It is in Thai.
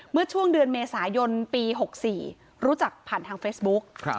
เมื่อช่วงเดือนเมษายนปี๖๔รู้จักผ่านทางเฟซบุ๊ก